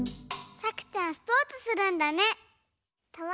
さくちゃんスポーツするんだね。